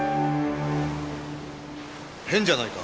変じゃないか。